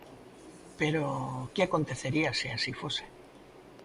Pero, que acontecería se así fose?